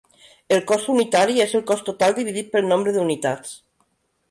El cost unitari és el cost total dividit pel nombre d'unitats.